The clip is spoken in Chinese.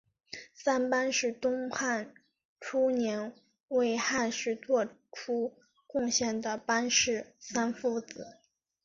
三班是东汉初年为汉室作出贡献的班氏三父子。